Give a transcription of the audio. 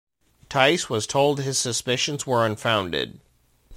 Tice was told his suspicions were unfounded.